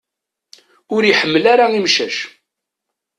Ur iḥemmel ara imcac.